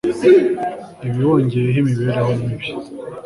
ibi, wongeyeho imibereho mibi